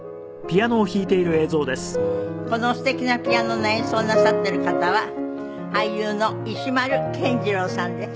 このすてきなピアノの演奏をなさってる方は俳優の石丸謙二郎さんです。